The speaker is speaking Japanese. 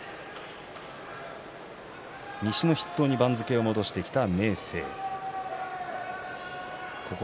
西の筆頭に番付を戻してきた明生です。